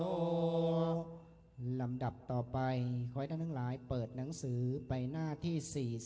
ลำดับต่อไปขอให้ท่านทั้งหลายเปิดหนังสือไปหน้าที่๔๐